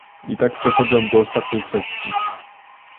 I tak przechodzę do ostatniej kwestii